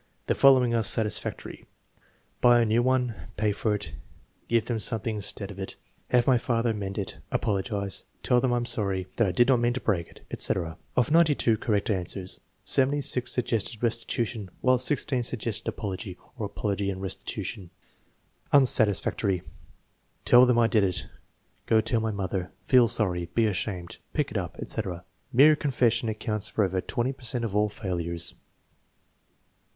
The following are satisfactory: "Buy a new one." "Pay for it." "Give them something instead of it." "Have my father mend it." "Apologize." "Tell them I'm sorry, that I did not mean to break it," etc. Of 02 correct answers, 76 suggested restitution, while 16 suggested apology, or apology and restitution. Unsatisfactory. "Tell them I did it." "Go tell my mother." "Peel sorry." "Be ashamed." "Pick it up," etc. Mere confession accounts for over 20 per cent of all failures.